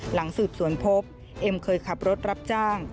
หลังสืบสวนพบเอ็มเคยขับรถรับจ้าง